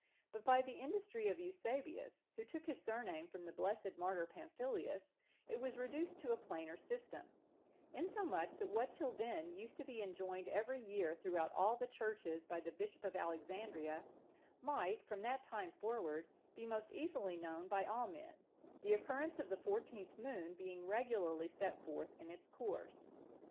(972) But by the industry of Eusebius,(973) who took his surname from the blessed martyr Pamphilus,(974) it was reduced to a plainer system; insomuch that what till then used to be enjoined every year throughout all the Churches by the Bishop of Alexandria, might, from that time forward, be most easily known by all men, the occurrence of the fourteenth moon being regularly set forth in its course.